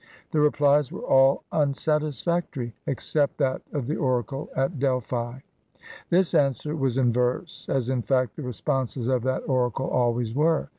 The replies were all unsatisfac tory, except that of the oracle at Delphi. This answer was in ve¥se, as, in fact, the responses of that oracle always were.